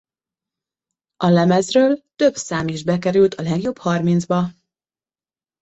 A lemezről több szám is bekerült a legjobb harmincba.